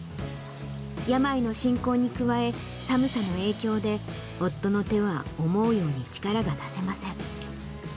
病の進行に加え、寒さの影響で、夫の手は思うように力が出せません。